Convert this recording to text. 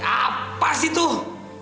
apa sih tuh